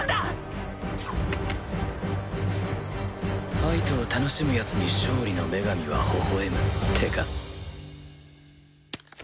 フッファイトを楽しむヤツに勝利の女神はほほえむってか？